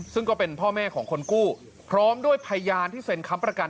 ซึ่งก็เป็นพ่อแม่ของคนกู้พร้อมด้วยพยานที่เซ็นค้ำประกัน